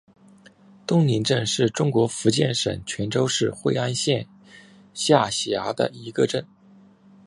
东岭镇是中国福建省泉州市惠安县下辖的一个镇。